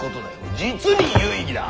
実に有意義だ！